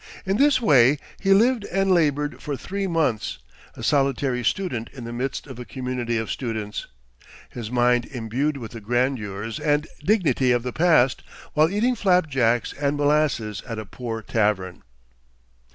In this way he lived and labored for three months, a solitary student in the midst of a community of students; his mind imbued with the grandeurs and dignity of the past, while eating flapjacks and molasses at a poor tavern.